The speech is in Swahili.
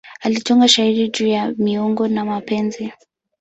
Alitunga shairi juu ya miungu na mapenzi.